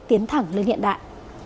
tiến thẳng lên hiện đại